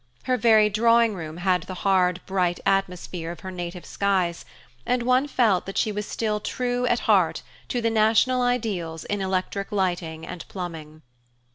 Her very drawing room had the hard bright atmosphere of her native skies, and one felt that she was still true at heart to the national ideals in electric lighting and plumbing.